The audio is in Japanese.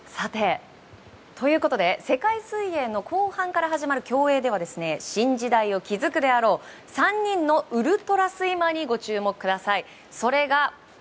ということで世界水泳の後半から始まる競泳では新時代を築くであろう３人のウルトラスイマーにご注目ください。